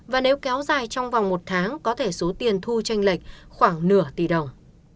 và nếu kéo dài trong vòng một tháng có thể số tiền thu tranh lệch khoảng nửa tỷ đồng